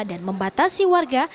dan membatasi warga